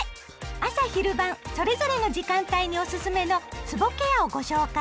朝・昼・晩それぞれの時間帯におすすめのつぼケアをご紹介。